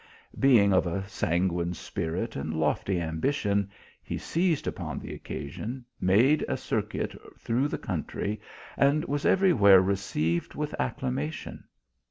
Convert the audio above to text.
Being of a sanguine spirit and lofty ambition, he seized upon the occasion, made a circuit through the country, and was every where received with ac clamation.